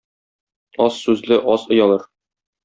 Аз сүзле аз оялыр.